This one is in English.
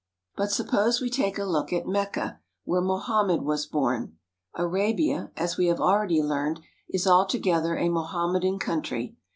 But suppose we take a look at Mecca, where Mohammed was born. Arabia, as we have al ready learned, is alto gether a Mohammedan country.